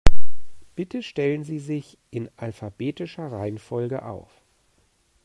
Bitte stellen Sie sich in alphabetischer Reihenfolge auf.